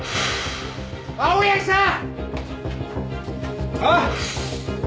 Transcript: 青柳さん！